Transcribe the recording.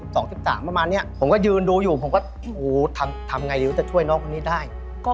พอเอิญผมเอามาบอกว่ารับอยู่ที่ตรงนี้